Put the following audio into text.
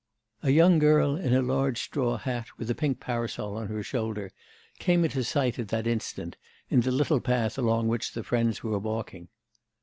A young girl in a large straw hat, with a pink parasol on her shoulder, came into sight at that instant, in the little path along which the friends were walking.